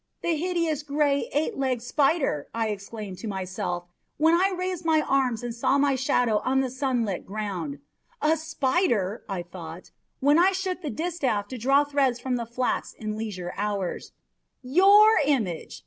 'The hideous, gray, eight legged spider!' I exclaimed to myself, when I raised my arms and saw my shadow on the sunlit ground. 'The spider!' I thought, when I shook the distaff to draw threads from the flax in leisure hours. 'Your image!